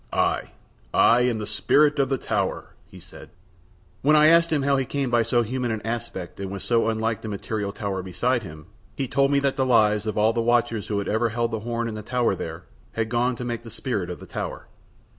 "I, I am the spirit of the tower," he said. When I asked him how he came by so human an aspect and was so unlike the material tower beside him he told me that the lives of all the watchers who had ever held the horn in the tower there had gone to make the spirit of the tower.